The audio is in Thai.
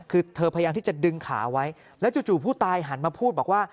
คือเธอพยายามที่จะดึงขาไว้แล้วจู่ผู้ตายหันมาพูดบอกว่า